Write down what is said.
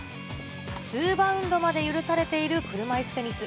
ツーバウンドまで許されている車いすテニス。